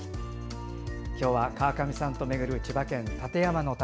今日は、川上さんと巡る千葉県館山の旅。